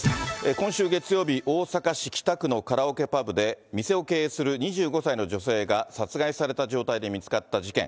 今週月曜日、大阪市北区のカラオケパブで、店を経営する２５歳の女性が殺害された状態で見つかった事件。